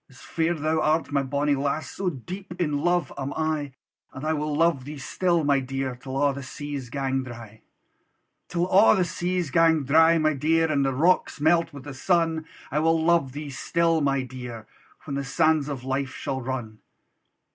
As fair thou art, my bonnie lass, So deep in love am I: And I will love thee still, my dear, Till a' the seas gang dry: Till a' the seas gang dry, my dear, And the rocks melt with the sun; I will luve thee still my dear, When the sands of life shall run.